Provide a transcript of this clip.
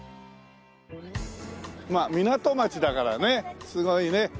まあ港町だからねすごいね。